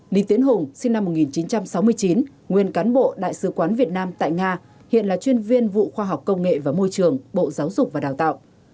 lý tiến hùng sinh năm một nghìn chín trăm sáu mươi chín nguyên cán bộ đại sứ quán việt nam tại nga hiện là chuyên viên vụ khoa học công nghệ và môi trường bộ giáo dục và đào tạo